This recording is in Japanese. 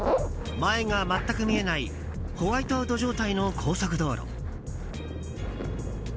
前が全く見えないホワイトアウト状態の高速道路。